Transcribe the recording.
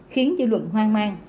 khiến dự luận hoang mang